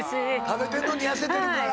食べてんのに痩せてるから。